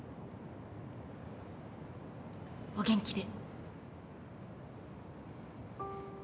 お元気で。